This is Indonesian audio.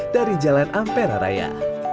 dari jalan ampera raya